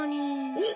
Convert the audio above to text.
おっ！